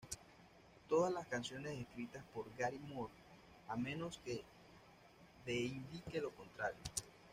Todas las canciones escritas por Gary Moore, a menos que de indique lo contrario.